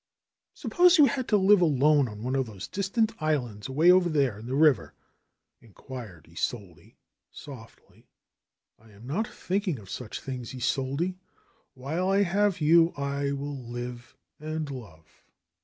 ^^Suppose you had to live alone on one of those distant islands away over there in the river?" inquired Isolde softly. 'T am not thinking of such things, Isolde. While I have you I will live and love."